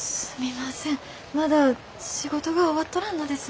まだ仕事が終わっとらんのです。